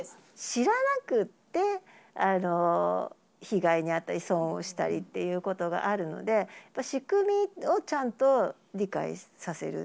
知らなくて被害に遭ったり、損をしたりっていうことがあるので、やっぱり仕組みをちゃんと理解させる。